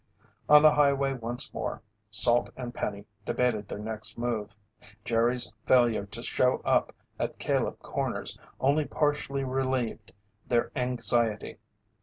On the highway once more, Salt and Penny debated their next move. Jerry's failure to show up at Caleb Corners only partially relieved their anxiety.